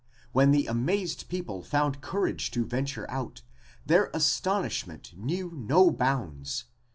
When the amazed people found courage to venture out, their astonishment knew no bounds.